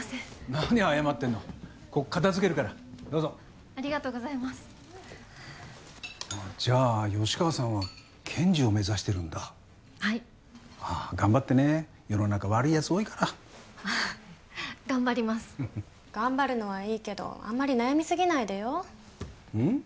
何謝ってんのここ片づけるからどうぞありがとうございますあっじゃあ吉川さんは検事を目指してるんだはいああ頑張ってね世の中悪いやつ多いからああ頑張ります頑張るのはいいけどあんまり悩みすぎないでようん？